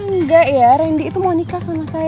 enggak ya randy itu mau nikah sama saya